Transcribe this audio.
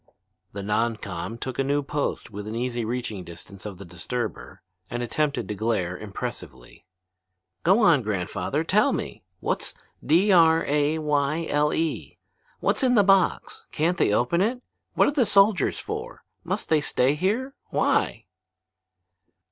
The non com took a new post within easy reaching distance of the disturber and attempted to glare impressively. "Go on, grandfather, tell me. What's D r a y l e? What's in the box? Can't they open it? What are the soldiers for? Must they stay here? Why?"